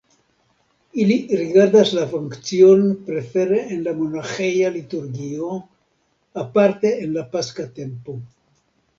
Ili rigardas la funkcion prefere en la monaĥeja liturgio, aparte en la paska tempo.